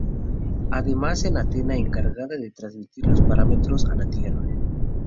Además una antena encargada de transmitir los parámetros a la Tierra.